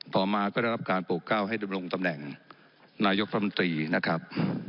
พอมาก็ได้รับการปกเก้าให้ลงตำแหน่งนายกภัมธีนะครับ